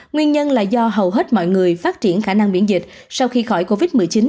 nguyên nhân là do hầu hết mọi người phát triển khả năng miễn dịch sau khi khỏi covid một mươi chín